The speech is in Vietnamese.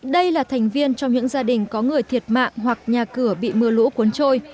đây là thành viên trong những gia đình có người thiệt mạng hoặc nhà cửa bị mưa lũ cuốn trôi